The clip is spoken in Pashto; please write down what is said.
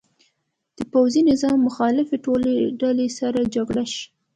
د پوځي نظام مخالفې ټولې ډلې سره جرګه شي.